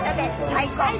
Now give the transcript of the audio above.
最高！